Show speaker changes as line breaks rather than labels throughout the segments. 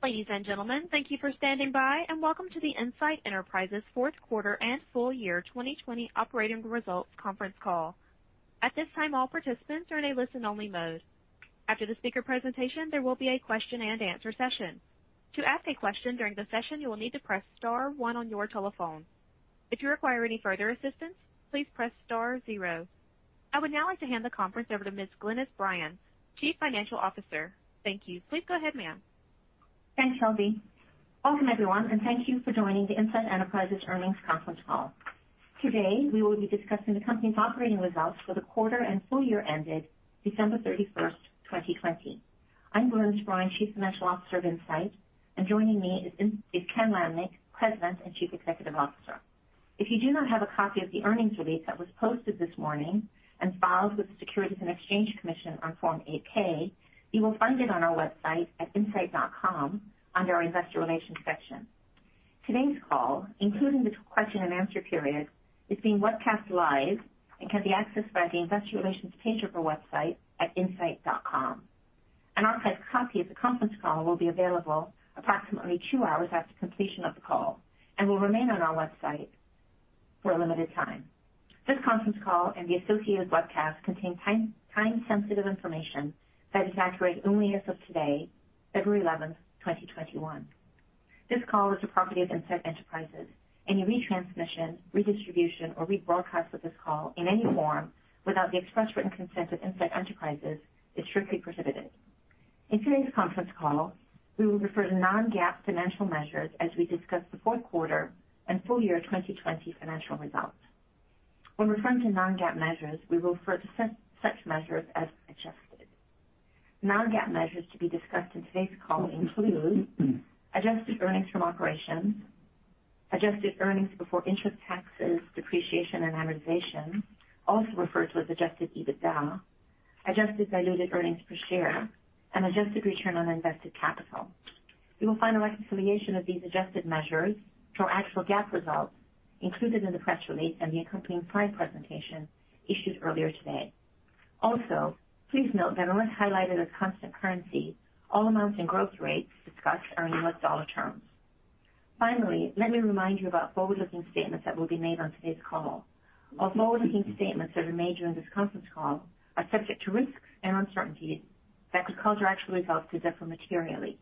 Ladies and gentlemen, thank you for standing by, and welcome to the Insight Enterprises' fourth quarter and full year 2020 operating results conference call. At this time, all participants are in a listen-only mode. After the speaker presentation, there will be a question-and-answer session. To ask a question during the session, you will need to press star one on your telephone. If you require any further assistance, please press star zero. I would now like to hand the conference over to Ms. Glynis Bryan, Chief Financial Officer. Thank you. Please go ahead, ma'am.
Thanks, Kelsey. Welcome everyone, and thank you for joining the Insight Enterprises earnings conference call. Today, we will be discussing the company's operating results for the quarter and full year ended December 31st, 2020. I'm Glynis Bryan, Chief Financial Officer of Insight, and joining me is Ken Lamneck, President and Chief Executive Officer. If you do not have a copy of the earnings release that was posted this morning and filed with the Securities and Exchange Commission on Form 8-K, you will find it on our website at insight.com under our Investor Relations section. Today's call, including the question-and-answer period, is being webcast live and can be accessed by the investor relations page of our website at insight.com. An archive copy of the conference call will be available approximately two hours after completion of the call and will remain on our website for a limited time. This conference call and the associated webcast contain time-sensitive information that is accurate only as of today, February 11th, 2021. This call is the property of Insight Enterprises. Any retransmission, redistribution, or rebroadcast of this call in any form without the express written consent of Insight Enterprises is strictly prohibited. In today's conference call, we will refer to non-GAAP financial measures as we discuss the fourth quarter and full year 2020 financial results. When referring to non-GAAP measures, we refer to such measures as adjusted. Non-GAAP measures to be discussed in today's call include adjusted earnings from operations, adjusted earnings before interest, taxes, depreciation, and amortization, also referred to as adjusted EBITDA, adjusted diluted earnings per share, and adjusted return on invested capital. You will find a reconciliation of these adjusted measures to our actual GAAP results included in the press release and the accompanying slide presentation issued earlier today. Please note that unless highlighted as constant currency, all amounts and growth rates discussed are in U.S. dollar terms. Let me remind you about forward-looking statements that will be made on today's call. All forward-looking statements that are made during this conference call are subject to risks and uncertainties that could cause our actual results to differ materially.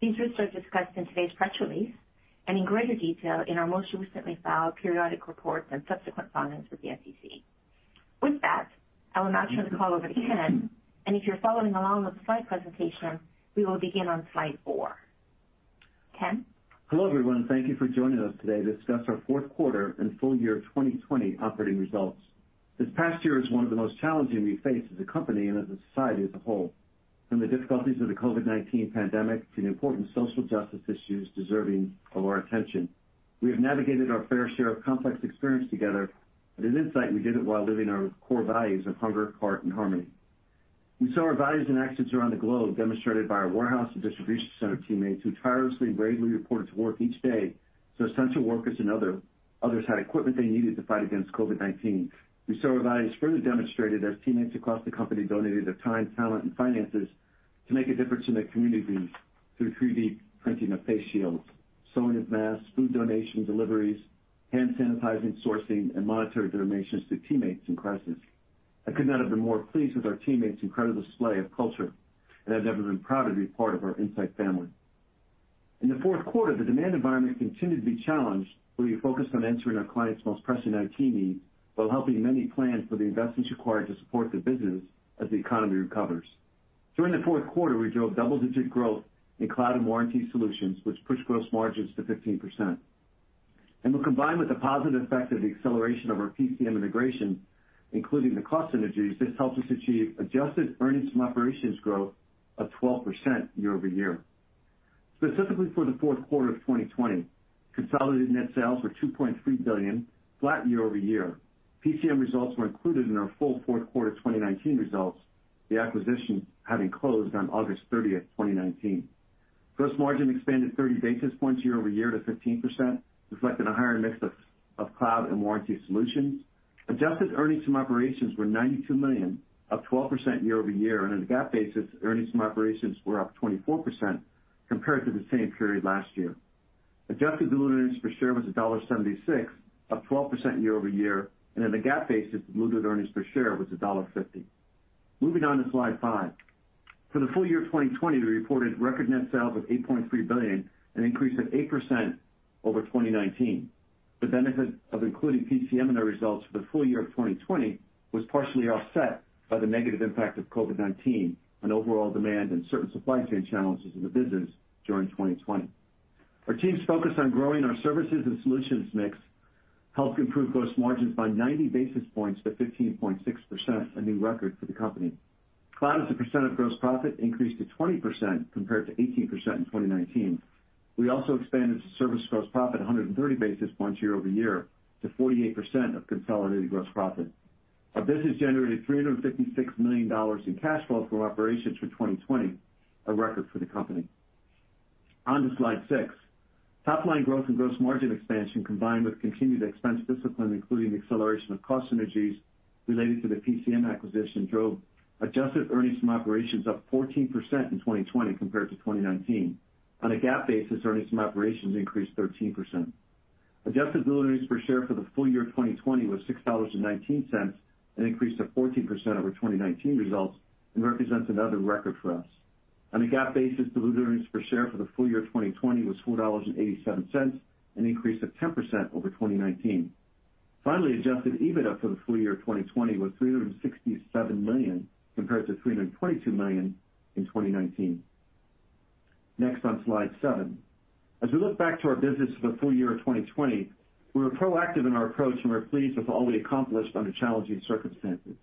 These risks are discussed in today's press release and in greater detail in our most recently filed periodic reports and subsequent filings with the SEC. I will now turn the call over to Ken, and if you're following along on the slide presentation, we will begin on slide four.
Hello, everyone. Thank you for joining us today to discuss our fourth quarter and full year 2020 operating results. This past year was one of the most challenging we faced as a company and as a society as a whole. From the difficulties of the COVID-19 pandemic to the important social justice issues deserving of our attention, we have navigated our fair share of complex experience together. At Insight, we did it while living our core values of hunger, heart, and harmony. We saw our values in actions around the globe demonstrated by our warehouse and distribution center teammates who tirelessly and bravely reported to work each day, so essential workers and others had equipment they needed to fight against COVID-19. We saw our values further demonstrated as teammates across the company donated their time, talent, and finances to make a difference in their communities through 3D printing of face shields, sewing of masks, food donation deliveries, hand sanitizing sourcing, and monetary donations to teammates in crisis. I could not have been more pleased with our teammates' incredible display of culture, I've never been prouder to be part of our Insight family. In the fourth quarter, the demand environment continued to be challenged while we focused on answering our clients' most pressing IT needs while helping many plan for the investments required to support their business as the economy recovers. During the fourth quarter, we drove double-digit growth in cloud and warranty solutions, which pushed gross margins to 15%. When combined with the positive effect of the acceleration of our PCM integration, including the cost synergies, this helped us achieve adjusted earnings from operations growth of 12% year-over-year. Specifically for the fourth quarter of 2020, consolidated net sales were $2.3 billion, flat year-over-year. PCM results were included in our full fourth quarter 2019 results, the acquisition having closed on August 30th, 2019. Gross margin expanded 30 basis points year-over-year to 15%, reflecting a higher mix of cloud and warranty solutions. Adjusted earnings from operations were $92 million, up 12% year-over-year, and on a GAAP basis, earnings from operations were up 24% compared to the same period last year. Adjusted diluted earnings per share was $1.76, up 12% year-over-year, and on a GAAP basis, diluted earnings per share was $1.50. Moving on to slide five. For the full year of 2020, we reported record net sales of $8.3 billion, an increase of 8% over 2019. The benefit of including PCM in our results for the full year of 2020 was partially offset by the negative impact of COVID-19 on overall demand and certain supply chain challenges in the business during 2020. Our teams focused on growing our services and solutions mix, helped improve gross margins by 90 basis points to 15.6%, a new record for the company. Cloud as a percent of gross profit increased to 20% compared to 18% in 2019. We also expanded service gross profit 130 basis points year-over-year to 48% of consolidated gross profit. Our business generated $356 million in cash flow from operations for 2020, a record for the company. On to slide six. Top line growth and gross margin expansion, combined with continued expense discipline, including the acceleration of cost synergies related to the PCM acquisition, drove adjusted earnings from operations up 14% in 2020 compared to 2019. On a GAAP basis, earnings from operations increased 13%. Adjusted diluted earnings per share for the full year 2020 was $6.19, an increase of 14% over 2019 results, and represents another record for us. On a GAAP basis, diluted earnings per share for the full year 2020 was $4.87, an increase of 10% over 2019. Finally, adjusted EBITDA for the full year 2020 was $367 million, compared to $322 million in 2019. Next, on slide seven. As we look back to our business for the full year of 2020, we were proactive in our approach and we're pleased with all we accomplished under challenging circumstances.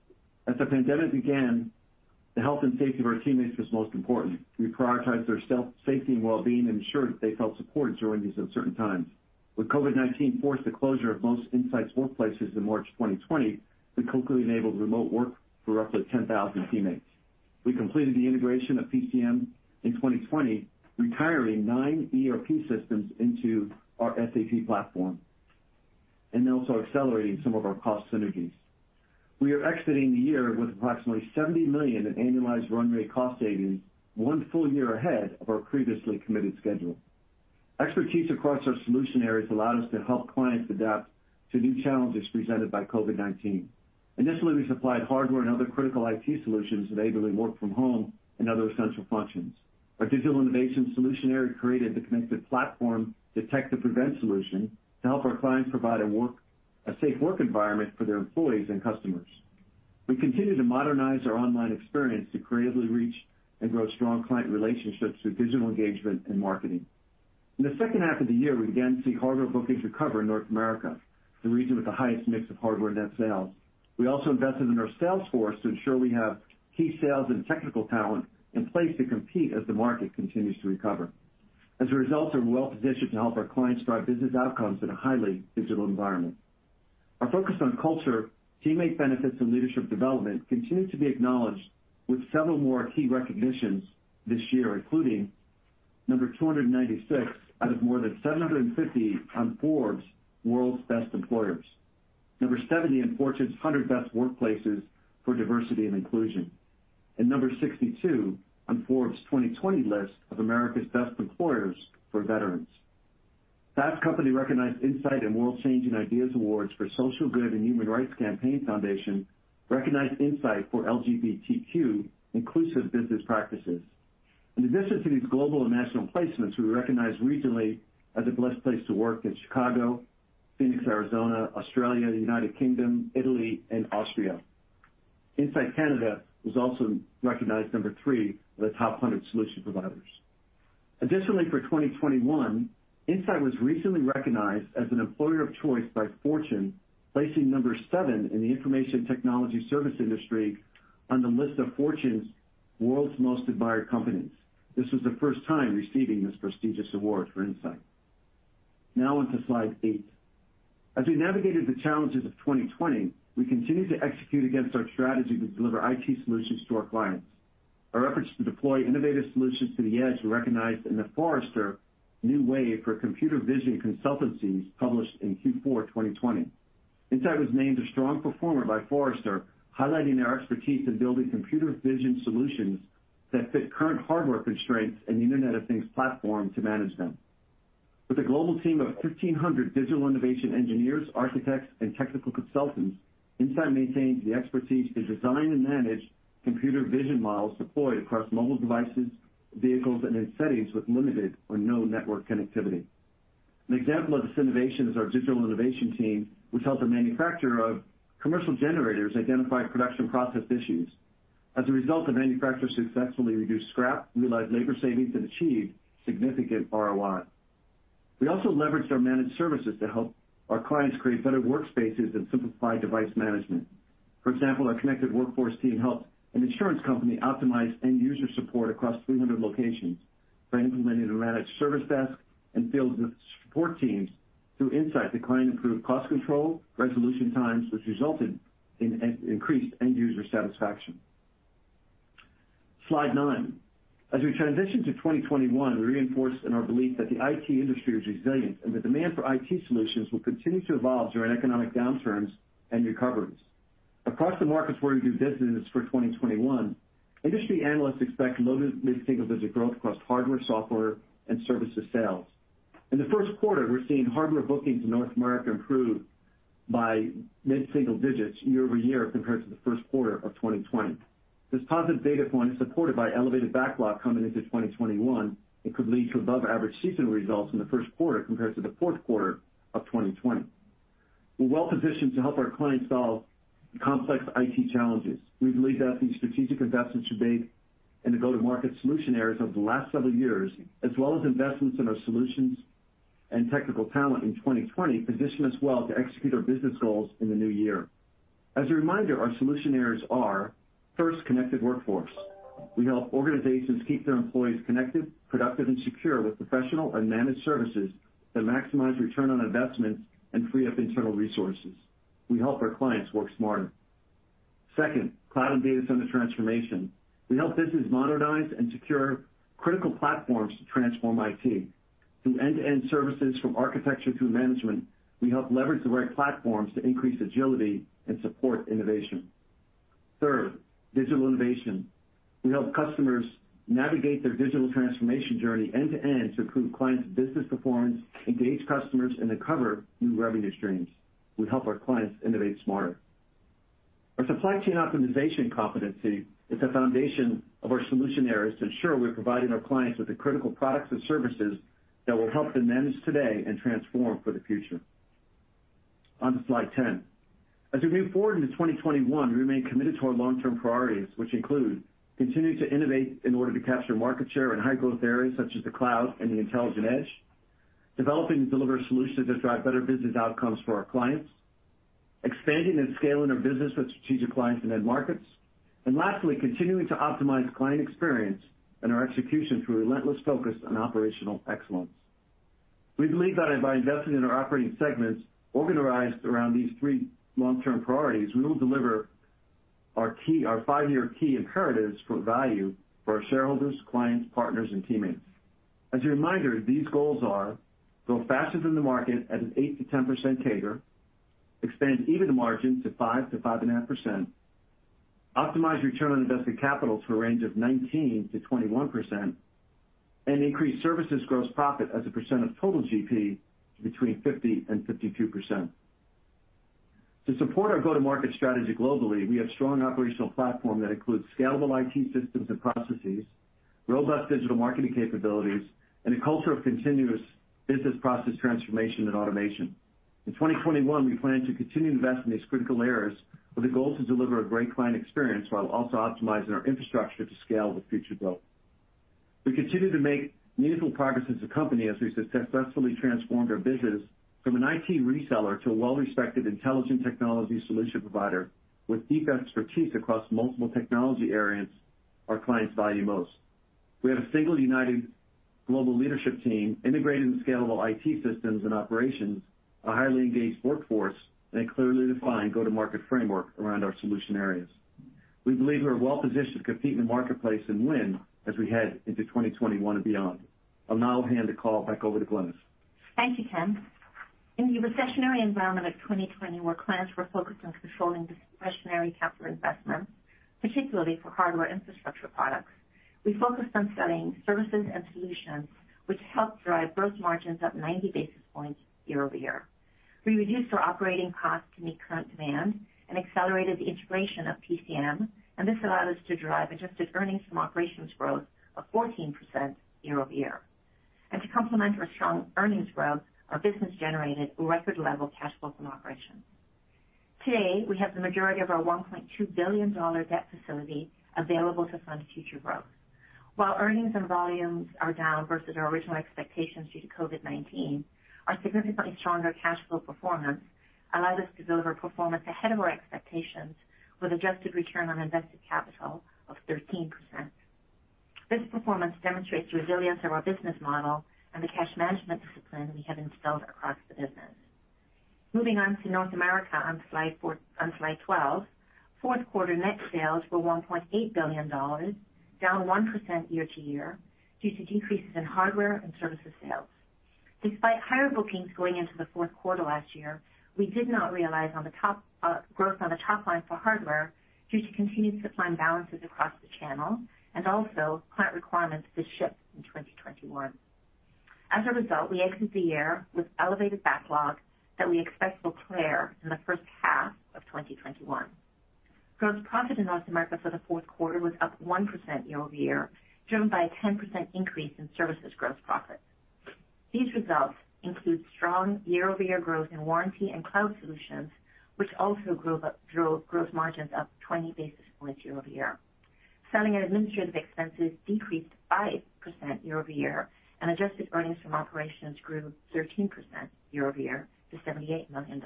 As the pandemic began, the health and safety of our teammates was most important. We prioritized their safety and well-being and ensured that they felt supported during these uncertain times. When COVID-19 forced the closure of most Insight's workplaces in March 2020, we quickly enabled remote work for roughly 10,000 teammates. We completed the integration of PCM in 2020, retiring nine ERP systems into our SAP platform, and also accelerating some of our cost synergies. We are exiting the year with approximately $70 million in annualized run rate cost savings, one full year ahead of our previously committed schedule. Expertise across our solution areas allowed us to help clients adapt to new challenges presented by COVID-19. Initially, we supplied hardware and other critical IT solutions enabling work from home and other essential functions. Our Digital Innovation solution area created the Connected Platform detect-and-prevent solution to help our clients provide a safe work environment for their employees and customers. We continue to modernize our online experience to creatively reach and grow strong client relationships through digital engagement and marketing. In the second half of the year, we began to see hardware bookings recover in North America, the region with the highest mix of hardware net sales. We also invested in our sales force to ensure we have key sales and technical talent in place to compete as the market continues to recover. As a result, we're well-positioned to help our clients drive business outcomes in a highly digital environment. Our focus on culture, teammate benefits, and leadership development continue to be acknowledged with several more key recognitions this year, including number 296 out of more than 750 on Forbes World's Best Employers, number 70 in Fortune's 100 Best Workplaces for Diversity and Inclusion, and number 62 on Forbes 2020 list of America's Best Employers for Veterans. Fast Company recognized Insight in World-Changing Ideas Awards for Social Good, and Human Rights Campaign Foundation recognized Insight for LGBTQ inclusive business practices. In addition to these global and national placements, we were recognized regionally as a best place to work in Chicago, Phoenix, Arizona, Australia, the United Kingdom, Italy, and Austria. Insight Canada was also recognized number three of the top 100 solution providers. Additionally, for 2021, Insight was recently recognized as an employer of choice by Fortune, placing number 7 in the information technology service industry on the list of Fortune's World's Most Admired Companies. This was the first time receiving this prestigious award for Insight. Now on to slide eight. As we navigated the challenges of 2020, we continued to execute against our strategy to deliver IT solutions to our clients. Our efforts to deploy innovative solutions to the edge were recognized in the Forrester New Wave for Computer Vision Consultancies, published in Q4 2020. Insight was named a strong performer by Forrester, highlighting our expertise in building computer vision solutions that fit current hardware constraints and the Internet of Things platform to manage them. With a global team of 1,500 digital innovation engineers, architects, and technical consultants, Insight maintains the expertise to design and manage computer vision models deployed across mobile devices, vehicles, and in settings with limited or no network connectivity. An example of this innovation is our digital innovation team, which helped a manufacturer of commercial generators identify production process issues. As a result, the manufacturer successfully reduced scrap, realized labor savings, and achieved significant ROI. We also leveraged our managed services to help our clients create better workspaces and simplify device management. For example, our Connected Workforce team helped an insurance company optimize end-user support across 300 locations by implementing a managed service desk and field support teams. Through Insight, the client improved cost control, resolution times, which resulted in increased end-user satisfaction. Slide nine. As we transition to 2021, we're reinforced in our belief that the IT industry is resilient, and the demand for IT solutions will continue to evolve during economic downturns and recoveries. Across the markets where we do business for 2021, industry analysts expect low to mid-single-digit growth across hardware, software, and services sales. In the first quarter, we're seeing hardware bookings in North America improve by mid-single digits year-over-year compared to the first quarter of 2020. This positive data point is supported by elevated backlog coming into 2021. It could lead to above-average seasonal results in the first quarter compared to the fourth quarter of 2020. We're well-positioned to help our clients solve complex IT challenges. We believe that the strategic investments we made in the go-to-market solution areas over the last several years, as well as investments in our solutions and technical talent in 2020, position us well to execute our business goals in the new year. As a reminder, our solution areas are, first, Connected Workforce. We help organizations keep their employees connected, productive, and secure with professional and managed services that maximize return on investment and free up internal resources. We help our clients work smarter. Second, Cloud and Data Center Transformation. We help businesses modernize and secure critical platforms to transform IT. Through end-to-end services from architecture through management, we help leverage the right platforms to increase agility and support innovation. Third, digital innovation. We help customers navigate their digital transformation journey end to end to improve clients' business performance, engage customers, and uncover new revenue streams. We help our clients innovate smarter. Our Supply Chain Optimization competency is the foundation of our solution areas to ensure we're providing our clients with the critical products and services that will help them manage today and transform for the future. On to slide 10. As we move forward into 2021, we remain committed to our long-term priorities, which include continuing to innovate in order to capture market share in high-growth areas such as the cloud and the intelligent edge, developing and delivering solutions that drive better business outcomes for our clients, expanding and scaling our business with strategic clients in end markets, and lastly, continuing to optimize client experience and our execution through relentless focus on operational excellence. We believe that by investing in our operating segments organized around these three long-term priorities, we will deliver our five-year key imperatives for value for our shareholders, clients, partners, and teammates. As a reminder, these goals are: grow faster than the market at an 8%-10% CAGR, expand EBITDA margin to 5%-5.5%, optimize return on invested capital to a range of 19%-21%, and increase services gross profit as a percent of total GP to between 50% and 52%. To support our go-to-market strategy globally, we have a strong operational platform that includes scalable IT systems and processes, robust digital marketing capabilities, and a culture of continuous business process transformation and automation. In 2021, we plan to continue to invest in these critical areas with a goal to deliver a great client experience while also optimizing our infrastructure to scale with future growth. We continue to make meaningful progress as a company as we successfully transformed our business from an IT reseller to a well-respected intelligent technology solution provider with deep expertise across multiple technology areas our clients value most. We have a single united global leadership team, integrated and scalable IT systems and operations, a highly engaged workforce, and a clearly defined go-to-market framework around our solution areas. We believe we are well positioned to compete in the marketplace and win as we head into 2021 and beyond. I'll now hand the call back over to Glynis.
Thank you, Ken. In the recessionary environment of 2020, where clients were focused on controlling discretionary capital investment, particularly for hardware infrastructure products, we focused on selling services and solutions, which helped drive gross margins up 90 basis points year-over-year. We reduced our operating costs to meet current demand and accelerated the integration of PCM, this allowed us to drive adjusted earnings from operations growth of 14% year-over-year. To complement our strong earnings growth, our business generated record level cash flow from operations. Today, we have the majority of our $1.2 billion debt facility available to fund future growth. While earnings and volumes are down versus our original expectations due to COVID-19, our significantly stronger cash flow performance allowed us to deliver performance ahead of our expectations with adjusted return on invested capital of 13%. This performance demonstrates the resilience of our business model and the cash management discipline we have instilled across the business. Moving on to North America on slide 12. Fourth quarter net sales were $1.8 billion, down 1% year-over-year due to decreases in hardware and services sales. Despite higher bookings going into the fourth quarter last year, we did not realize growth on the top line for hardware due to continued supply imbalances across the channel and also client requirements to ship in 2021. As a result, we exited the year with elevated backlog that we expect will clear in the first half of 2021. Gross profit in North America for the fourth quarter was up 1% year-over-year, driven by a 10% increase in services gross profit. These results include strong year-over-year growth in warranty and cloud solutions, which also drove gross margins up 20 basis points year-over-year. Selling and administrative expenses decreased 5% year-over-year, and adjusted earnings from operations grew 13% year-over-year to $78 million.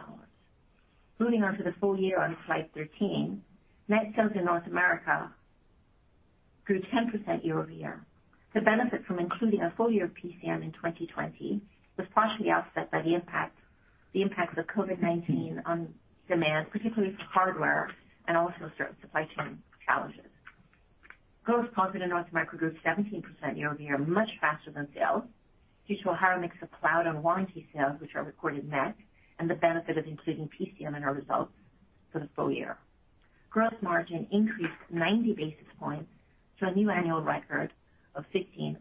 Moving on to the full year on slide 13. Net sales in North America grew 10% year-over-year. The benefit from including a full year of PCM in 2020 was partially offset by the impact of COVID-19 on demand, particularly for hardware, and also certain supply chain challenges. Gross profit in North America grew 17% year-over-year, much faster than sales, due to a higher mix of cloud and warranty sales, which are recorded net, and the benefit of including PCM in our results for the full year. Gross margin increased 90 basis points to a new annual record of 15.4%.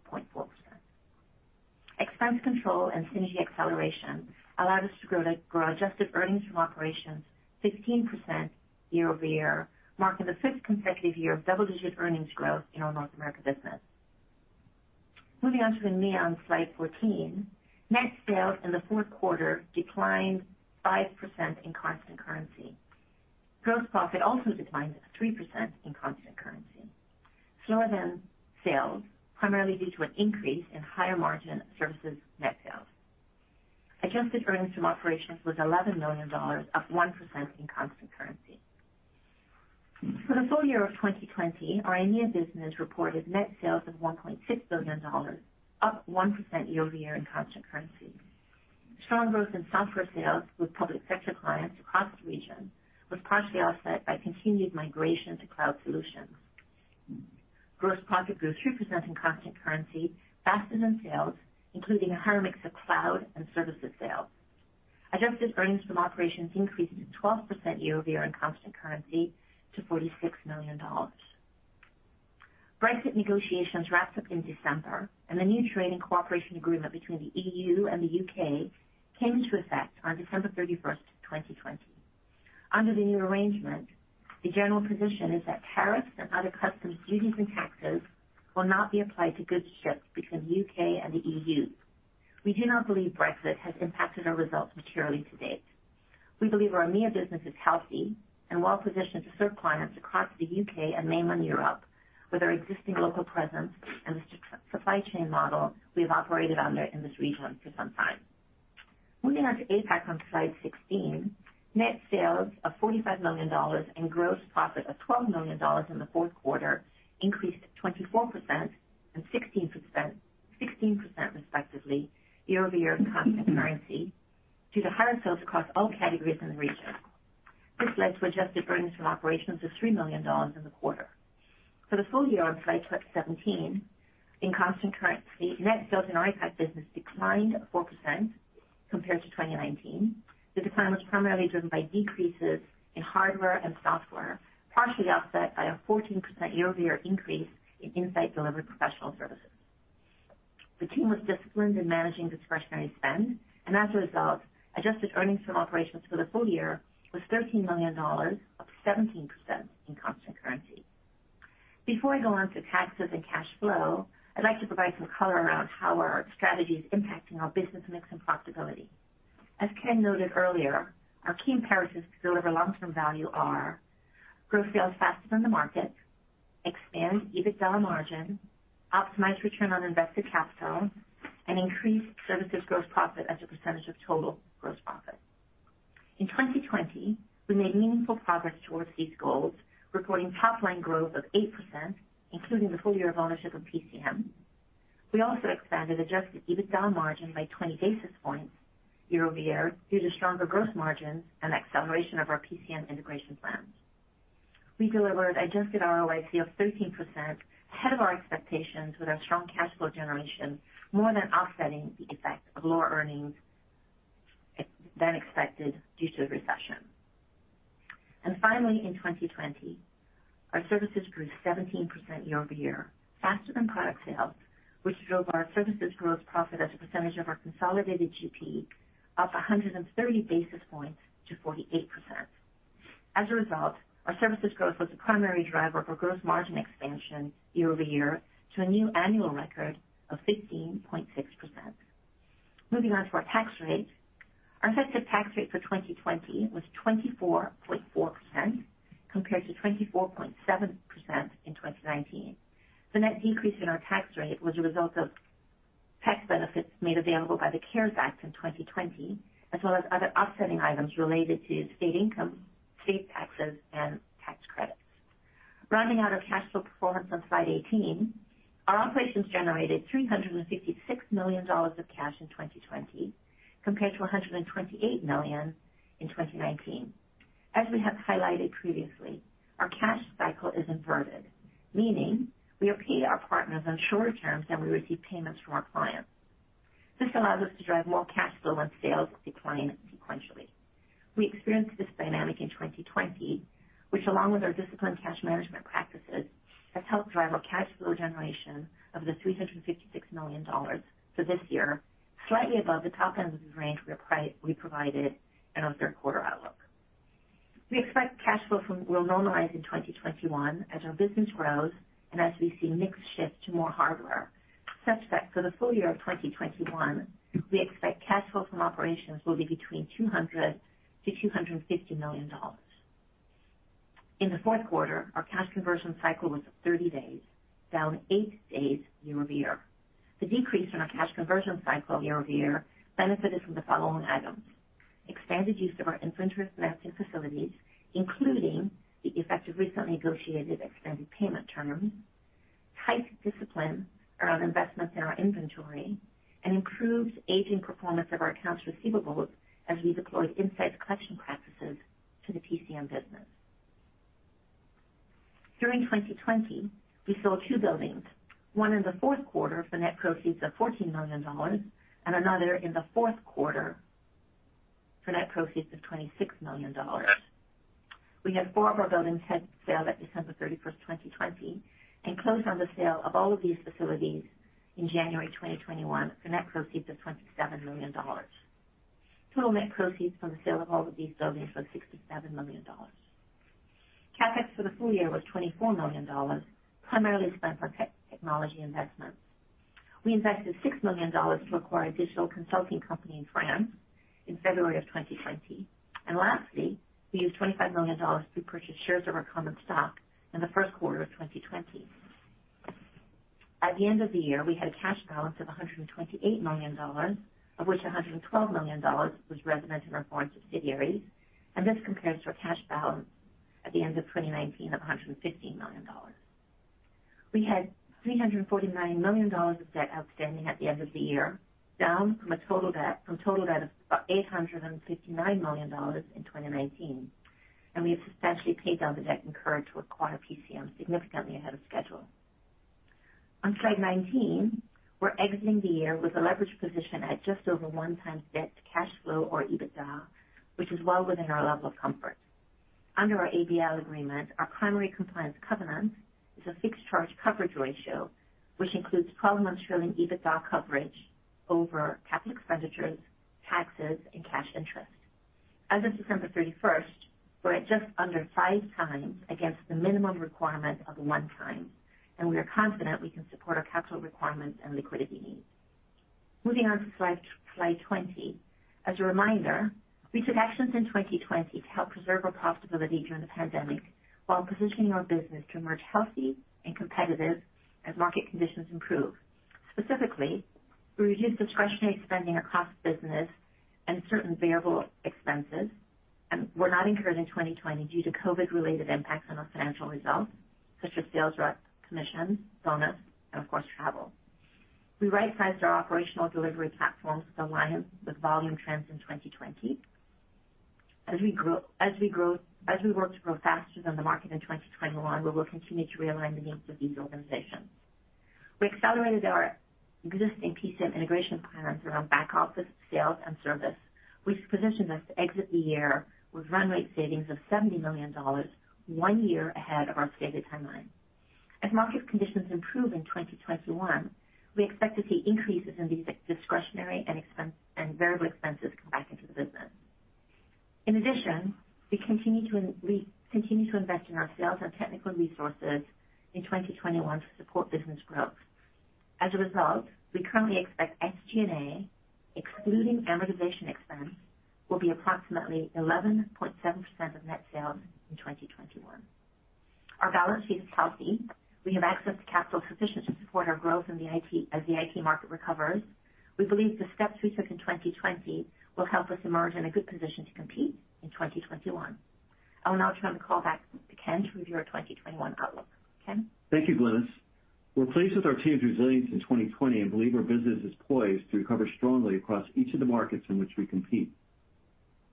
Expense control and synergy acceleration allowed us to grow adjusted earnings from operations 16% year-over-year, marking the fifth consecutive year of double-digit earnings growth in our North America business. Moving on to EMEA on slide 14. Net sales in the fourth quarter declined 5% in constant currency. Gross profit also declined 3% in constant currency, slower than sales, primarily due to an increase in higher margin services net sales. Adjusted earnings from operations was $11 million, up 1% in constant currency. For the full year of 2020, our EMEA business reported net sales of $1.6 billion, up 1% year-over-year in constant currency. Strong growth in software sales with public sector clients across the region was partially offset by continued migration to cloud solutions. Gross profit grew 3% in constant currency, faster than sales, including a higher mix of cloud and services sales. Adjusted earnings from operations increased to 12% year-over-year in constant currency to $46 million. Brexit negotiations wrapped up in December, and the new trade and cooperation agreement between the EU and the U.K. came into effect on December 31st, 2020. Under the new arrangement, the general position is that tariffs and other customs duties and taxes will not be applied to goods shipped between the U.K. and the EU. We do not believe Brexit has impacted our results materially to date. We believe our EMEA business is healthy and well-positioned to serve clients across the U.K. and mainland Europe with our existing local presence and the supply chain model we've operated under in this region for some time. Moving on to APAC on slide 16, net sales of $45 million and gross profit of $12 million in the fourth quarter increased 24% and 16%, respectively, year-over-year in constant currency due to higher sales across all categories in the region. This led to adjusted earnings from operations of $3 million in the quarter. For the full year on slide 17, in constant currency, net sales in our APAC business declined 4% compared to 2019. The decline was primarily driven by decreases in hardware and software, partially offset by a 14% year-over-year increase in Insight-delivered professional services. The team was disciplined in managing discretionary spend. As a result, adjusted earnings from operations for the full year was $13 million, up 17% in constant currency. Before I go on to taxes and cash flow, I'd like to provide some color around how our strategy is impacting our business mix and profitability. As Ken noted earlier, our key imperatives to deliver long-term value are grow sales faster than the market, expand EBITDA margin, optimize return on invested capital, and increase services gross profit as a percentage of total gross profit. In 2020, we made meaningful progress towards these goals, recording top-line growth of 8%, including the full year of ownership of PCM. We also expanded adjusted EBITDA margin by 20 basis points year-over-year due to stronger gross margins and acceleration of our PCM integration plans. We delivered adjusted ROIC of 13%, ahead of our expectations with our strong cash flow generation, more than offsetting the effect of lower earnings than expected due to the recession. Finally, in 2020, our services grew 17% year-over-year, faster than product sales, which drove our services gross profit as a percentage of our consolidated GP up 130 basis points to 48%. As a result, our services growth was the primary driver for gross margin expansion year-over-year to a new annual record of 15.6%. Moving on to our tax rate. Our effective tax rate for 2020 was 24.4% compared to 24.7% in 2019. The net decrease in our tax rate was a result of tax benefits made available by the CARES Act in 2020, as well as other offsetting items related to state income, state taxes, and tax credits. Rounding out our cash flow performance on slide 18, our operations generated $356 million of cash in 2020, compared to $128 million in 2019. As we have highlighted previously, our cash cycle is inverted, meaning we are paid our partners on shorter terms than we receive payments from our clients. This allows us to drive more cash flow when sales decline sequentially. We experienced this dynamic in 2020, which along with our disciplined cash management practices, has helped drive our cash flow generation of the $356 million for this year, slightly above the top end of the range we provided in our third quarter outlook. We expect cash flow will normalize in 2021 as our business grows and as we see mix shift to more hardware, such that for the full year of 2021, we expect cash flow from operations will be between $200 million-$250 million. In the fourth quarter, our cash conversion cycle was 30 days, down eight days year-over-year. The decrease in our cash conversion cycle year-over-year benefited from the following items: expanded use of our inventory financing facilities, including the effect of recently negotiated extended payment terms, tight discipline around investments in our inventory, and improved aging performance of our accounts receivables as we deployed Insight's collection practices to the PCM business. During 2020, we sold two buildings, one in the fourth quarter for net proceeds of $14 million, and another in the fourth quarter for net proceeds of $26 million. We had four more buildings held for sale at December 31st, 2020, and closed on the sale of all of these facilities in January 2021 for net proceeds of $27 million. Total net proceeds from the sale of all of these buildings was $67 million. CapEx for the full year was $24 million, primarily spent for technology investments. We invested $6 million to acquire a digital consulting company in France in February of 2020. Lastly, we used $25 million to purchase shares of our common stock in the first quarter of 2020. At the end of the year, we had a cash balance of $128 million, of which $112 million was resident in our foreign subsidiaries. This compares to a cash balance at the end of 2019 of $115 million. We had $349 million of debt outstanding at the end of the year, down from total debt of about $859 million in 2019. We have substantially paid down the debt incurred to acquire PCM significantly ahead of schedule. On slide 19, we're exiting the year with a leverage position at just over one times debt to cash flow or EBITDA, which is well within our level of comfort. Under our ABL agreement, our primary compliance covenant is a fixed charge coverage ratio, which includes 12 months rolling EBITDA coverage over capital expenditures, taxes, and cash interest. As of December 31st, we're at just under five times against the minimum requirement of one time. We are confident we can support our capital requirements and liquidity needs. Moving on to slide 20. As a reminder, we took actions in 2020 to help preserve our profitability during the pandemic while positioning our business to emerge healthy and competitive as market conditions improve. Specifically, we reduced discretionary spending across business and certain variable expenses, were not incurred in 2020 due to COVID-related impacts on our financial results, such as sales rep commissions, bonus, and of course, travel. We right-sized our operational delivery platforms to align with volume trends in 2020. As we work to grow faster than the market in 2021, we will continue to realign the needs of these organizations. We accelerated our existing PCM integration plans around back office sales and service, which positioned us to exit the year with run rate savings of $70 million one year ahead of our stated timeline. As market conditions improve in 2021, we expect to see increases in these discretionary and variable expenses come back into the business. In addition, we continue to invest in our sales and technical resources in 2021 to support business growth. As a result, we currently expect SG&A, excluding amortization expense, will be approximately 11.7% of net sales in 2021. Our balance sheet is healthy. We have access to capital sufficient to support our growth as the IT market recovers. We believe the steps we took in 2020 will help us emerge in a good position to compete in 2021. I will now turn the call back to Ken to review our 2021 outlook. Ken?
Thank you, Glynis. We're pleased with our team's resilience in 2020 and believe our business is poised to recover strongly across each of the markets in which we compete.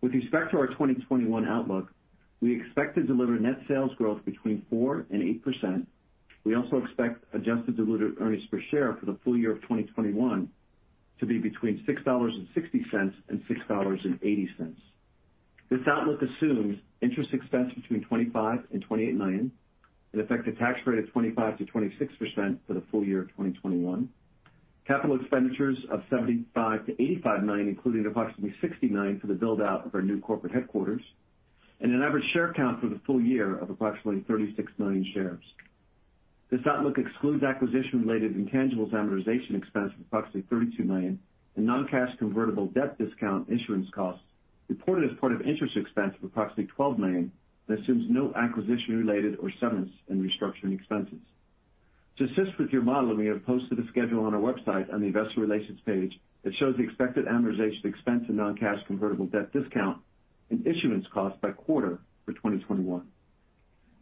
With respect to our 2021 outlook, we expect to deliver net sales growth between 4% and 8%. We also expect adjusted diluted earnings per share for the full year of 2021 to be between $6.60 and $6.80. This outlook assumes interest expense between $25 million and $28 million, an effective tax rate of 25% to 26% for the full year of 2021, capital expenditures of $75 million to $85 million, including approximately $69 million for the build-out of our new corporate headquarters, and an average share count for the full year of approximately 36 million shares. This outlook excludes acquisition-related intangibles amortization expense of approximately $32 million and non-cash convertible debt discount issuance costs reported as part of interest expense of approximately $12 million, and assumes no acquisition-related or severance and restructuring expenses. To assist with your modeling, we have posted a schedule on our website on the investor relations page that shows the expected amortization expense and non-cash convertible debt discount and issuance costs by quarter for 2021.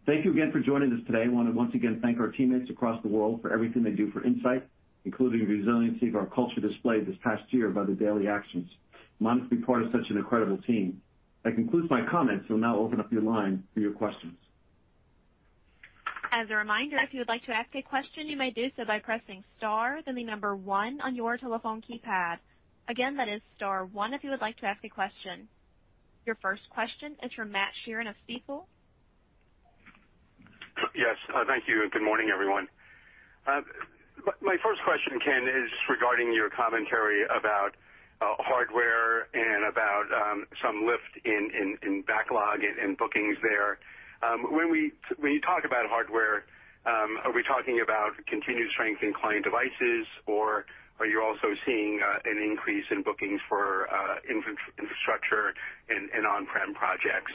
Thank you again for joining us today. I want to once again thank our teammates across the world for everything they do for Insight, including the resiliency of our culture displayed this past year by their daily actions. I'm honored to be part of such an incredible team. That concludes my comments. We'll now open up the line for your questions.
As a reminder, if you would like to ask your question, you may do so by pressing star and then number one on your telephone keypad. Again, that is star one if you would like to ask a question. Your first question is from Matt Sheerin of Stifel.
Yes, thank you. Good morning, everyone. My first question, Ken, is regarding your commentary about hardware and about some lift in backlog and bookings there. When you talk about hardware, are we talking about continued strength in client devices, or are you also seeing an increase in bookings for infrastructure and on-prem projects?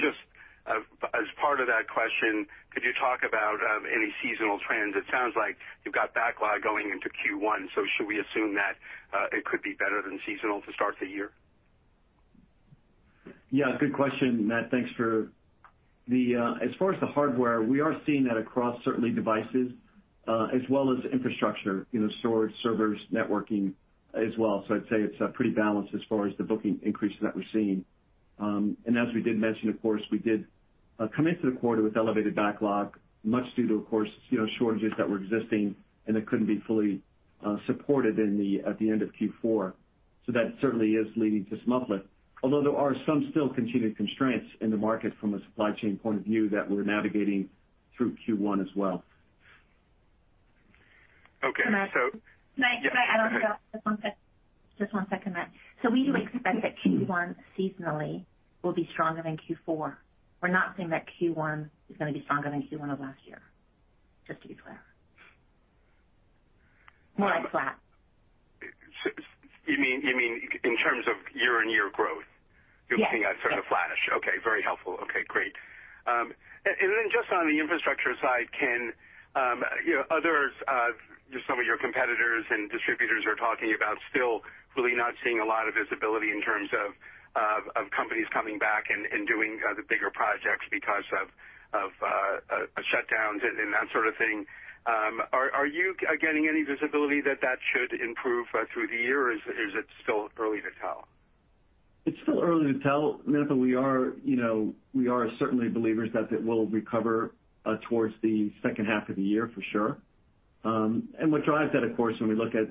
Just as part of that question, could you talk about any seasonal trends? It sounds like you've got backlog going into Q1. Should we assume that it could be better than seasonal to start the year?
Yeah, good question, Matt. As far as the hardware, we are seeing that across certainly devices, as well as infrastructure, storage, servers, networking as well. I'd say it's pretty balanced as far as the booking increases that we're seeing. As we did mention, of course, we did come into the quarter with elevated backlog, much due to, of course, shortages that were existing and that couldn't be fully supported at the end of Q4. That certainly is leading to some uplift. Although there are some still continued constraints in the market from a supply chain point of view that we're navigating through Q1 as well.
Okay.
Matt?
Yeah, go ahead.
Just one second, Matt. We do expect that Q1 seasonally will be stronger than Q4. We're not saying that Q1 is going to be stronger than Q1 of last year, just to be clear. More like flat.
You mean in terms of year-over-year growth? You're looking at sort of flattish. Okay, very helpful. Okay, great. Then just on the infrastructure side, Ken, some of your competitors and distributors are talking about still really not seeing a lot of visibility in terms of companies coming back and doing the bigger projects because of shutdowns and that sort of thing. Are you getting any visibility that that should improve through the year, or is it still early to tell?
It's still early to tell, [Matt]. We are certainly believers that it will recover towards the second half of the year for sure. What drives that, of course, when we look at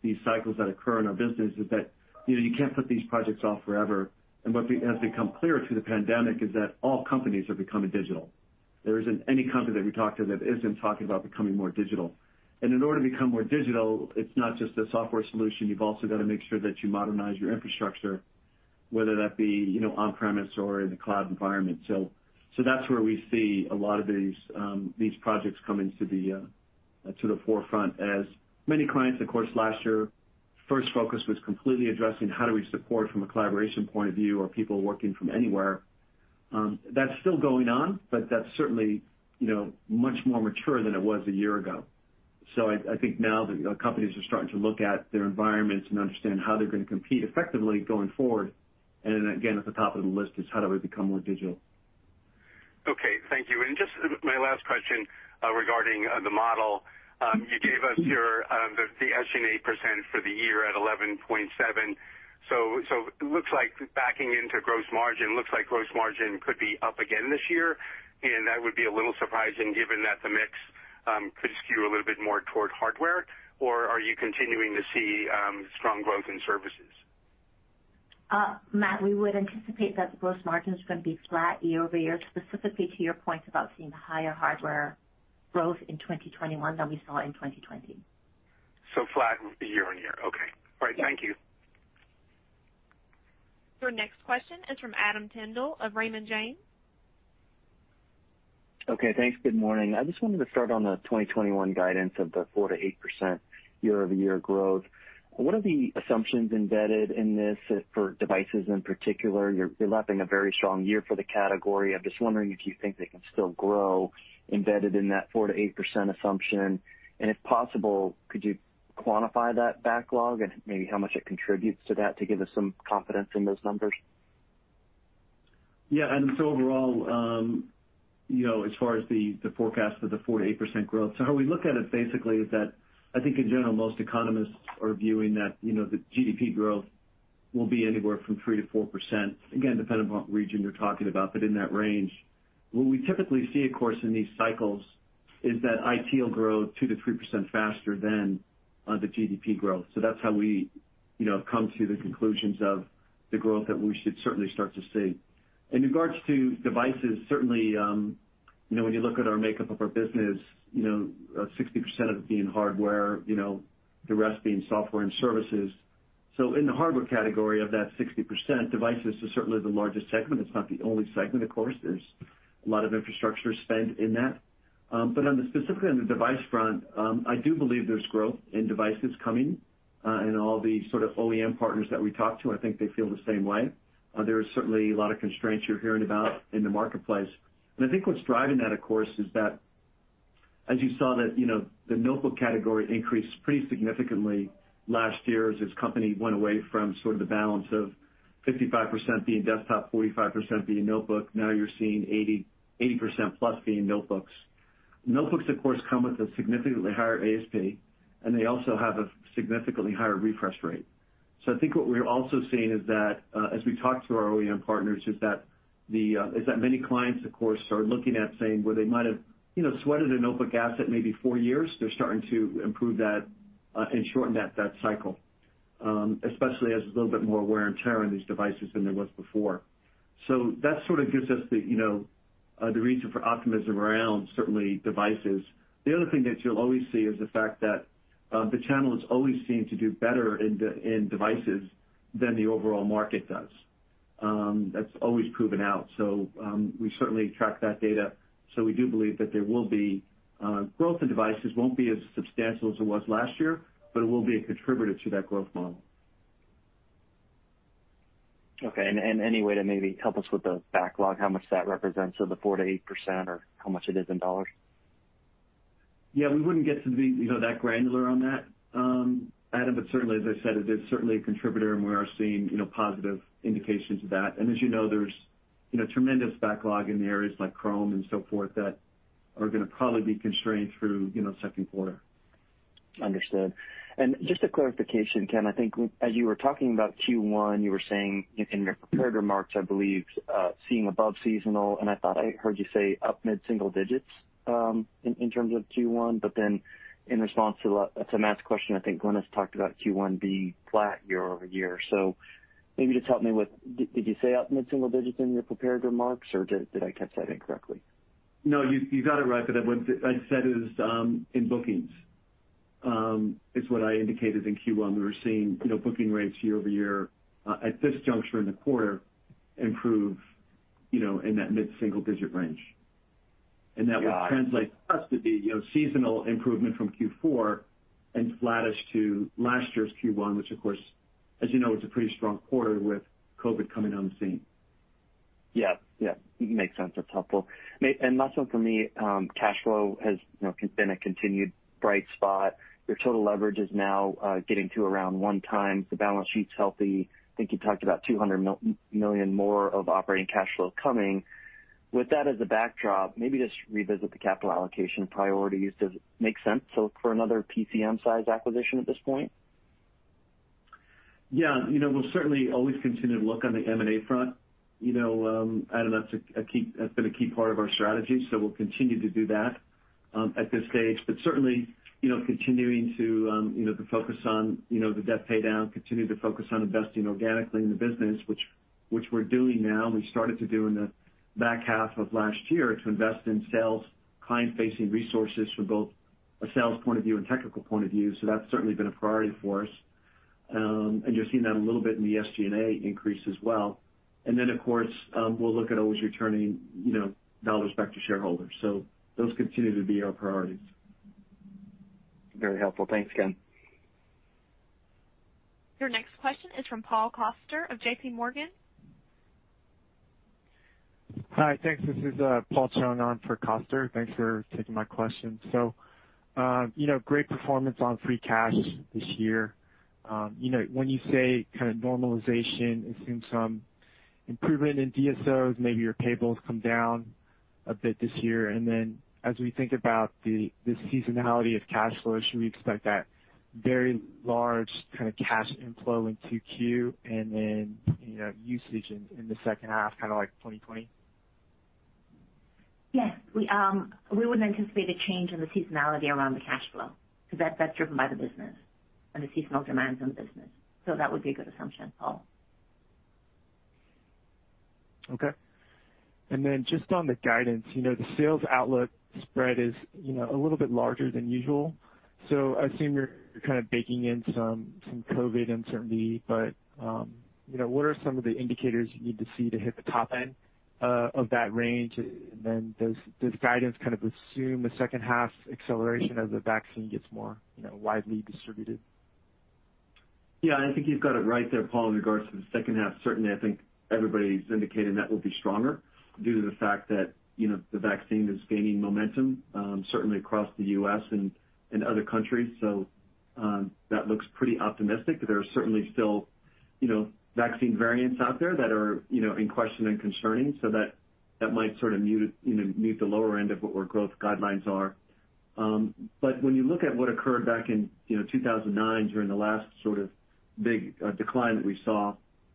these cycles that occur in our business is that you can't put these projects off forever. What has become clear through the pandemic is that all companies are becoming digital. There isn't any company that we talk to that isn't talking about becoming more digital. In order to become more digital, it's not just a software solution. You've also got to make sure that you modernize your infrastructure, whether that be on-premise or in the cloud environment. That's where we see a lot of these projects coming to the forefront as many clients, of course, last year, first focus was completely addressing how do we support from a collaboration point of view or people working from anywhere. That's still going on, but that's certainly much more mature than it was a year ago. I think now that companies are starting to look at their environments and understand how they're going to compete effectively going forward, and again, at the top of the list is how do we become more digital.
Okay, thank you. Just my last question regarding the model. You gave us the S&A percentage for the year at 11.7%, so it looks like backing into gross margin, looks like gross margin could be up again this year, and that would be a little surprising given that the mix could skew a little bit more toward hardware? Are you continuing to see strong growth in services?
Matt, we would anticipate that the gross margins are going to be flat year-over-year, specifically to your point about seeing higher hardware growth in 2021 than we saw in 2020.
Flat year-on-year. Okay. All right. Thank you.
Your next question is from Adam Tindle of Raymond James.
Okay, thanks. Good morning. I just wanted to start on the 2021 guidance of the 4%-8% year-over-year growth. What are the assumptions embedded in this for devices in particular? You're lapping a very strong year for the category. I'm just wondering if you think they can still grow embedded in that 4%-8% assumption, and if possible, could you quantify that backlog and maybe how much it contributes to that to give us some confidence in those numbers?
Yeah, Adam, overall, as far as the forecast of the 4%-8% growth, how we look at it basically is that I think in general, most economists are viewing that the GDP growth will be anywhere from 3%-4%, again, depending on what region you're talking about, in that range. What we typically see, of course, in these cycles is that IT will grow 2%-3% faster than the GDP growth. That's how we have come to the conclusions of the growth that we should certainly start to see. In regards to devices, certainly, when you look at our makeup of our business, 60% of it being hardware, the rest being software and services. In the hardware category of that 60%, devices is certainly the largest segment. It's not the only segment, of course. There's a lot of infrastructure spend in that. Specifically on the device front, I do believe there's growth in devices coming, and all the sort of OEM partners that we talk to, I think they feel the same way. There is certainly a lot of constraints you're hearing about in the marketplace. I think what's driving that, of course, is that as you saw that the notebook category increased pretty significantly last year as this company went away from sort of the balance of 55% being desktop, 45% being notebook. Now you're seeing 80% plus being notebooks. Notebooks, of course, come with a significantly higher ASP, and they also have a significantly higher refresh rate. I think what we're also seeing is that as we talk to our OEM partners, is that many clients, of course, are looking at saying where they might have sweated a notebook asset maybe four years, they're starting to improve that and shorten that cycle, especially as a little bit more wear and tear on these devices than there was before. So that sort of gives us the, you know certain devices. The other thing that you'll always see is the fact that the channel has always seemed to do better in devices than the overall market does. That's always proven out. We certainly track that data. We do believe that there will be growth in devices. Won't be as substantial as it was last year, but it will be a contributor to that growth model.
Okay. Any way to maybe help us with the backlog, how much that represents of the 4%-8% or how much it is in dollars?
Yeah, we wouldn't get to be that granular on that, Adam. Certainly, as I said, it is certainly a contributor, and we are seeing positive indications of that. As you know, there's tremendous backlog in the areas like Chromebook and so forth that are going to probably be constrained through second quarter.
Understood. Just a clarification, Ken, I think as you were talking about Q1, you were saying in your prepared remarks, I believe, seeing above seasonal, and I thought I heard you say up mid-single digits, in terms of Q1. In response to Matt's question, I think Glynis talked about Q1 being flat year-over-year. Maybe just help me with, did you say up mid-single digits in your prepared remarks, or did I catch that incorrectly?
No, you got it right. What I said is in bookings, is what I indicated in Q1. We were seeing booking rates year-over-year at this juncture in the quarter improve in that mid-single-digit range. And that would translate us to be seasonal improvement from Q4 and flattish to last year's Q1, which of course, as you know, was a pretty strong quarter with COVID coming on the scene.
Yeah. Makes sense. That's helpful. Last one from me. Cash flow has been a continued bright spot. Your total leverage is now getting to around one times. The balance sheet's healthy. I think you talked about $200 million more of operating cash flow coming. With that as a backdrop, maybe just revisit the capital allocation priorities. Does it make sense to look for another PCM-size acquisition at this point?
Yeah. We'll certainly always continue to look on the M&A front. That's been a key part of our strategy, so we'll continue to do that at this stage. Certainly, continuing to the focus on the debt pay down, continue to focus on investing organically in the business, which we're doing now, we started to do in the back half of last year to invest in sales, client-facing resources for both a sales point of view and technical point of view. That's certainly been a priority for us. You're seeing that a little bit in the SG&A increase as well. Of course, we'll look at always returning dollars back to shareholders. Those continue to be our priorities.
Very helpful. Thanks, Ken.
Your next question is from Paul Coster of JPMorgan.
Hi. Thanks. This is Paul Chung on for Coster. Thanks for taking my question. Great performance on free cash this year. When you say kind of normalization, I've seen some improvement in DSOs, maybe your payables come down a bit this year. As we think about the seasonality of cash flow, should we expect that very large kind of cash inflow in 2Q, and then usage in the second half, kind of like 2020?
Yes. We would anticipate a change in the seasonality around the cash flow, because that's driven by the business and the seasonal demands on the business. That would be a good assumption, Paul.
Okay. Just on the guidance, the sales outlook spread is a little bit larger than usual. I assume you're kind of baking in some COVID uncertainty, what are some of the indicators you need to see to hit the top end of that range? Does guidance kind of assume a second half acceleration as the vaccine gets more widely distributed?
Yeah, I think you've got it right there, Paul, in regards to the second half. Certainly, I think everybody's indicating that will be stronger due to the fact that the vaccine is gaining momentum, certainly across the U.S. and other countries. That looks pretty optimistic, but there are certainly still vaccine variants out there that are in question and concerning. That might sort of mute the lower end of what our growth guidelines are. When you look at what occurred back in 2009 during the last sort of big decline that we saw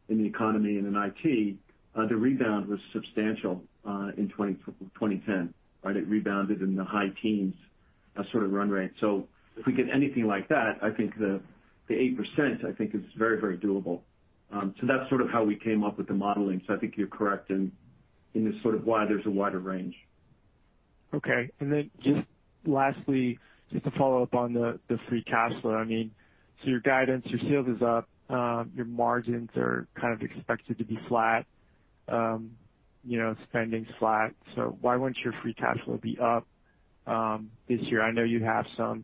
in the economy and in IT, the rebound was substantial in 2010, right? It rebounded in the high teens sort of run rate. If we get anything like that, I think the 8%, I think is very doable. That's sort of how we came up with the modeling. I think you're correct in this sort of why there's a wider range.
Okay. Just lastly, just to follow up on the free cash flow. Your guidance, your sales is up, your margins are kind of expected to be flat. Spending's flat. Why wouldn't your free cash flow be up this year? I know you have some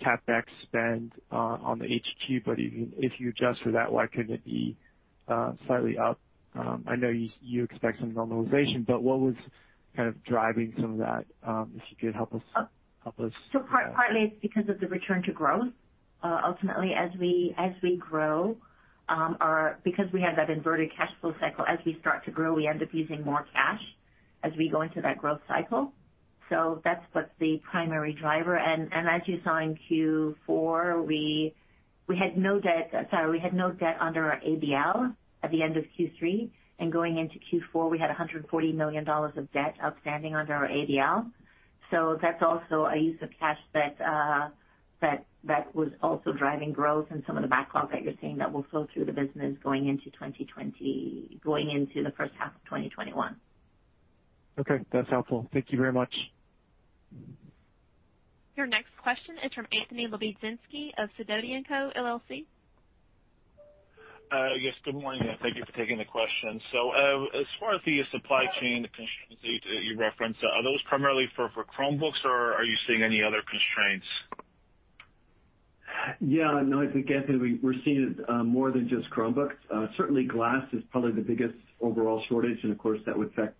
CapEx spend on the HQ, but even if you adjust for that, why couldn't it be slightly up? I know you expect some normalization, but what was kind of driving some of that? If you could help us.
Partly it's because of the return to growth. Ultimately, as we grow, because we have that inverted cash flow cycle, as we start to grow, we end up using more cash as we go into that growth cycle. That's what's the primary driver. As you saw in Q4, we had no debt under our ABL at the end of Q3. Going into Q4, we had $140 million of debt outstanding under our ABL. That's also a use of cash that was also driving growth and some of the backlog that you're seeing that will flow through the business going into the first half of 2021.
Okay. That's helpful. Thank you very much.
Your next question is from Anthony Lebiedzinski of Sidoti & Company, LLC.
Yes, good morning. Thank you for taking the question. As far as the supply chain constraints that you referenced, are those primarily for Chromebooks, or are you seeing any other constraints?
No, I think, Anthony, we're seeing it more than just Chromebooks. Certainly glass is probably the biggest overall shortage, and of course, that would affect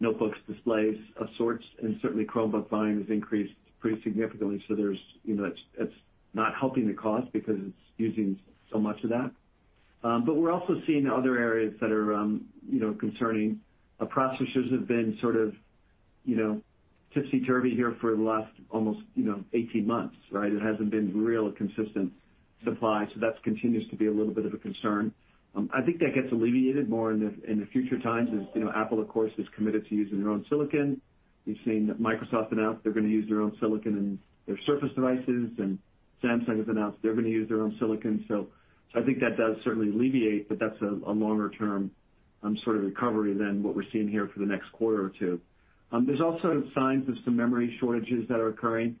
notebooks, displays of sorts, and certainly Chromebook buying has increased pretty significantly. It's not helping the cause because it's using so much of that. We're also seeing other areas that are concerning. Processors have been sort of tipsy turvy here for the last almost 18 months, right? It hasn't been real consistent supply, that continues to be a little bit of a concern. I think that gets alleviated more in the future times, as Apple, of course, is committed to using their own silicon. We've seen that Microsoft announced they're going to use their own silicon in their Surface devices, Samsung has announced they're going to use their own silicon. I think that does certainly alleviate, but that's a longer-term sort of recovery than what we're seeing here for the next quarter or two. There's also signs of some memory shortages that are occurring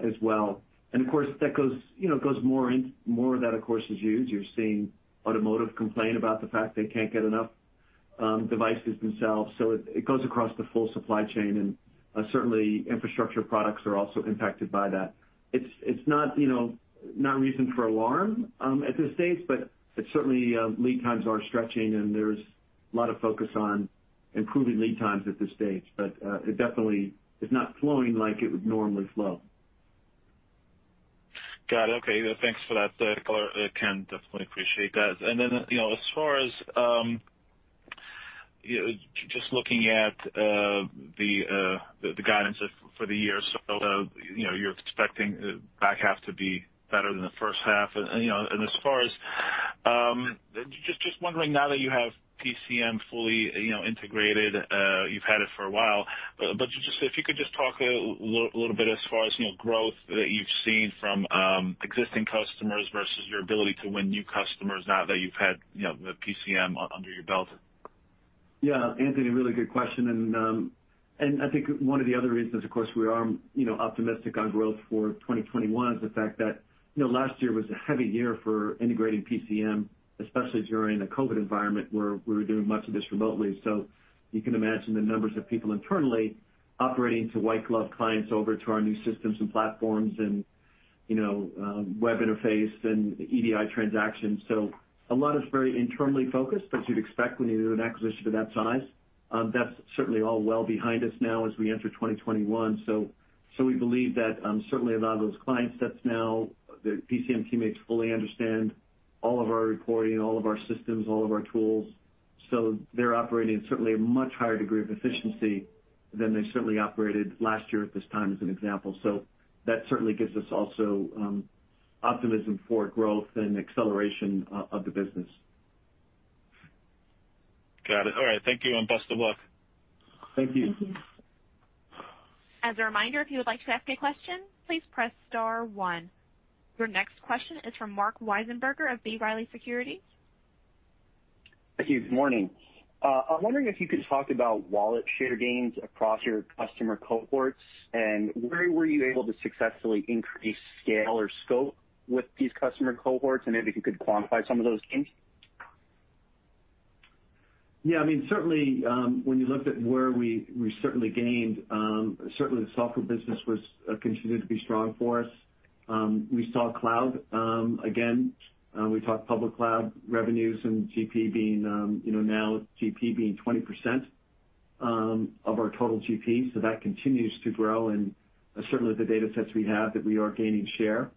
as well. Of course, more of that, of course, is used. You're seeing automotive complain about the fact they can't get enough devices themselves. It goes across the full supply chain, and certainly infrastructure products are also impacted by that. It's not a reason for alarm at this stage, but certainly lead times are stretching, and there's a lot of focus on improving lead times at this stage. It definitely is not flowing like it would normally flow.
Got it. Okay. Thanks for that color, Ken. Definitely appreciate that. As far as just looking at the guidance for the year. You're expecting the back half to be better than the first half. As far as, just wondering now that you have PCM fully integrated, you've had it for a while, but if you could just talk a little bit as far as growth that you've seen from existing customers versus your ability to win new customers now that you've had the PCM under your belt.
Yeah. Anthony, really good question. I think one of the other reasons, of course, we are optimistic on growth for 2021 is the fact that last year was a heavy year for integrating PCM, especially during the COVID environment, where we were doing much of this remotely. You can imagine the numbers of people internally operating to white glove clients over to our new systems and platforms and web interface and EDI transactions. A lot is very internally focused, as you'd expect when you do an acquisition of that size. That's certainly all well behind us now as we enter 2021. We believe that certainly a lot of those client sets now, the PCM teammates fully understand all of our reporting, all of our systems, all of our tools. They're operating at certainly a much higher degree of efficiency than they certainly operated last year at this time, as an example. That certainly gives us also optimism for growth and acceleration of the business.
Got it. All right. Thank you, and best of luck.
Thank you.
Thank you.
As a reminder, if you would like to ask a question, please press star one. Your next question is from Marc Weisenberger of B. Riley Securities.
Thank you. Good morning. I'm wondering if you could talk about wallet share gains across your customer cohorts, and where were you able to successfully increase scale or scope with these customer cohorts, and maybe if you could quantify some of those gains?
Yeah. When you looked at where we certainly gained, certainly the software business continued to be strong for us. We saw cloud, again. We talked public cloud revenues and now GP being 20% of our total GP. That continues to grow, and certainly the data sets we have, that we are gaining share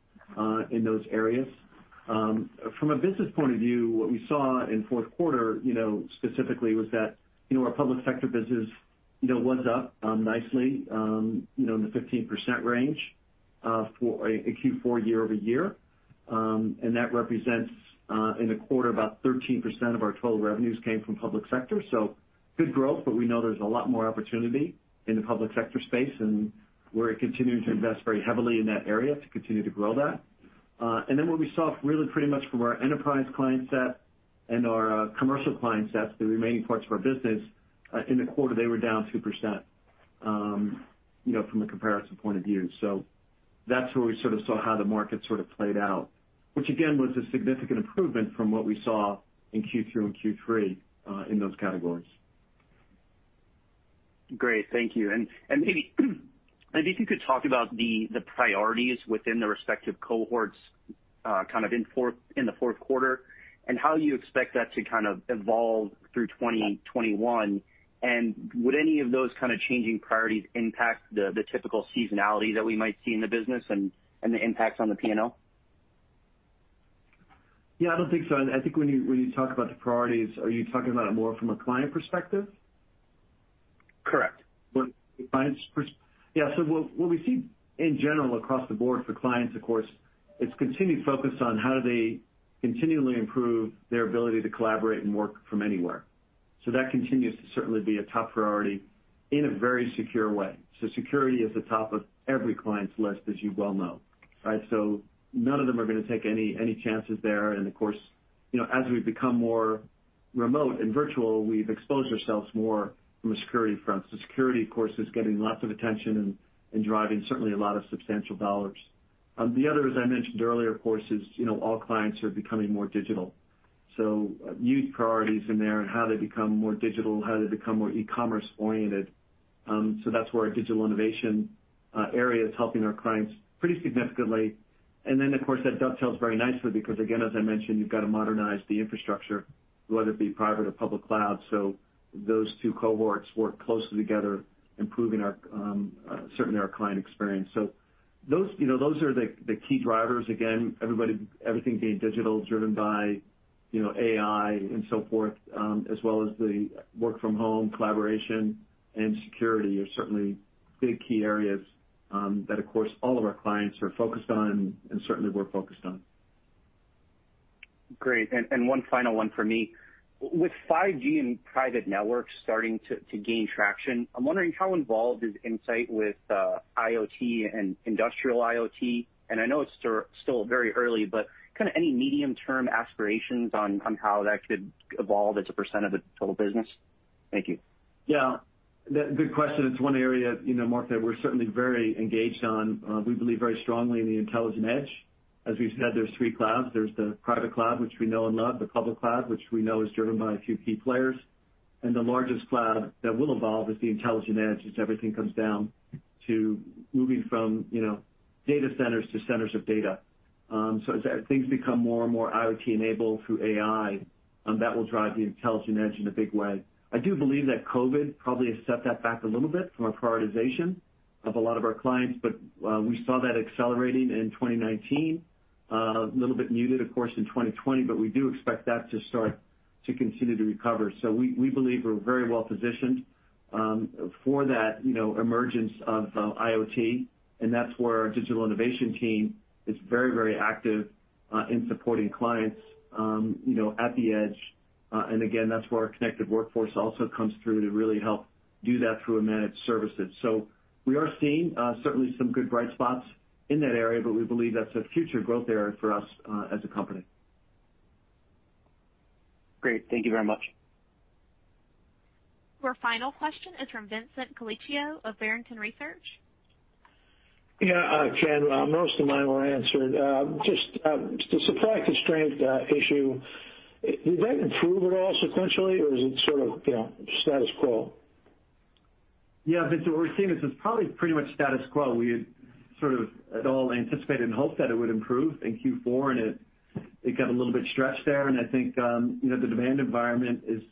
in those areas. From a business point of view, what we saw in fourth quarter, specifically, was that our public sector business was up nicely, in the 15% range for a Q4 year-over-year. That represents in a quarter, about 13% of our total revenues came from public sector. Good growth, but we know there's a lot more opportunity in the public sector space, and we're continuing to invest very heavily in that area to continue to grow that. What we saw really pretty much from our enterprise client set and our commercial client sets, the remaining parts of our business, in the quarter, they were down 2% from a comparison point of view. That's where we sort of saw how the market sort of played out, which again, was a significant improvement from what we saw in Q2 and Q3 in those categories.
Great. Thank you. Maybe if you could talk about the priorities within the respective cohorts in the fourth quarter, and how you expect that to kind of evolve through 2021. Would any of those kind of changing priorities impact the typical seasonality that we might see in the business and the impacts on the P&L?
Yeah, I don't think so. I think when you talk about the priorities, are you talking about it more from a client perspective?
Correct.
Yeah. What we see in general across the board for clients, of course, it's continued focus on how do they continually improve their ability to collaborate and work from anywhere. That continues to certainly be a top priority in a very secure way. Security is the top of every client's list, as you well know. Right? None of them are going to take any chances there. Of course, as we've become more remote and virtual, we've exposed ourselves more from a security front. Security, of course, is getting lots of attention and driving certainly a lot of substantial dollars. The other, as I mentioned earlier, of course, is all clients are becoming more digital. Huge priorities in there on how they become more digital and how they become more e-commerce oriented. That's where our digital innovation area is helping our clients pretty significantly. Of course, that dovetails very nicely because again, as I mentioned, you've got to modernize the infrastructure, whether it be private or public cloud. Those two cohorts work closely together, improving certainly our client experience. Those are the key drivers. Again, everything being digital, driven by AI and so forth, as well as the work from home collaboration and security are certainly big key areas that, of course, all of our clients are focused on and certainly we're focused on.
Great. One final one from me. With 5G and private networks starting to gain traction, I'm wondering how involved is Insight with IoT and industrial IoT. I know it's still very early, but kind of any medium-term aspirations on how that could evolve as a percent of the total business? Thank you.
Yeah. Good question. It's one area, Marc, that we're certainly very engaged on. We believe very strongly in the intelligent edge. As we've said, there's three clouds. There's the private cloud, which we know and love, the public cloud, which we know is driven by a few key players, and the largest cloud that will evolve is the intelligent edge, as everything comes down to moving from data centers to centers of data. As things become more and more IoT-enabled through AI, that will drive the intelligent edge in a big way. I do believe that COVID probably has set that back a little bit from a prioritization of a lot of our clients, but we saw that accelerating in 2019. A little bit muted, of course, in 2020, but we do expect that to start to continue to recover. We believe we're very well-positioned for that emergence of IoT, and that's where our digital innovation team is very active in supporting clients at the edge. Again, that's where our Connected Workforce also comes through to really help do that through a managed services. We are seeing certainly some good bright spots in that area, but we believe that's a future growth area for us as a company.
Great. Thank you very much.
Our final question is from Vincent Colicchio of Barrington Research.
Yeah, Ken, most of mine were answered. Just the supply constraint issue, did that improve at all sequentially, or is it sort of status quo?
Yeah, Vincent, what we're seeing is it's probably pretty much status quo. We had sort of at all anticipated and hoped that it would improve in Q4, and it got a little bit stretched there. I think the demand environment is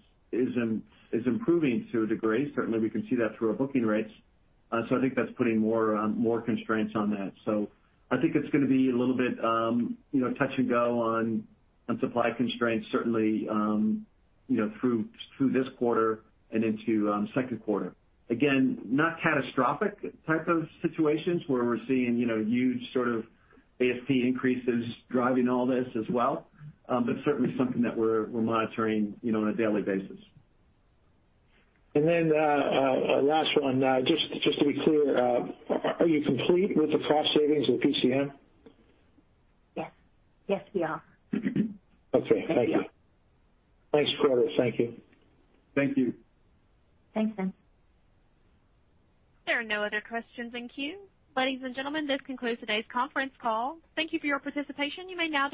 improving to a degree. Certainly, we can see that through our booking rates. I think that's putting more constraints on that. I think it's going to be a little bit touch and go on supply constraints certainly through this quarter and into second quarter. Again, not catastrophic type of situations where we're seeing huge sort of ASP increases driving all this as well. Certainly, something that we're monitoring on a daily basis.
Last one, just to be clear, are you complete with the cost savings of the PCM?
Yes. Yes, we are.
Okay, thank you.
Yeah.
Thanks for all this. Thank you.
Thank you.
Thanks, Vince.
There are no other questions in queue. Ladies and gentlemen, this concludes today's conference call. Thank you for your participation. You may now disconnect.